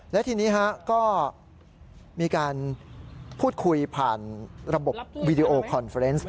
และทีนี้ก็มีการพูดคุยผ่านระบบวีดีโอคอนเฟอร์เนส